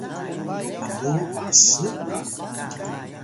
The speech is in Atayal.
mluw bas ga